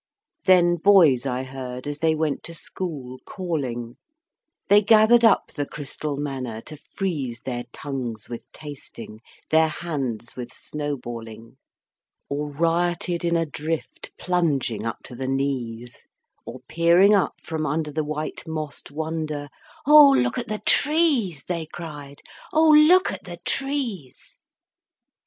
Then boys I heard, as they went to school, calling, They gathered up the crystal manna to freeze Their tongues with tasting, their hands with snowballing; Or rioted in a drift, plunging up to the knees; Or peering up from under the white mossed wonder, "O look at the trees!" they cried, "O look at the trees!"